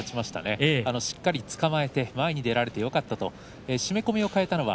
しっかりつかまえて前に出られてよかったと話していました。